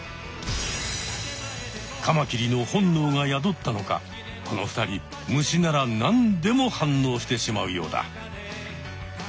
カマキリの本能が宿ったのかこの２人虫ならなんでも反応してしまうようだ。